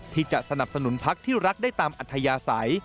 ที่จะสนับสนุนพักที่รักได้ตามอัธยาศัย